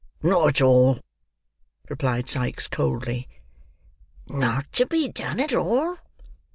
"Not at all," replied Sikes coldly. "Not to be done at all!"